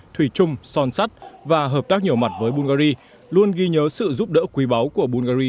thủy chung son sắt và hợp tác nhiều mặt với bulgari luôn ghi nhớ sự giúp đỡ quý báu của bungary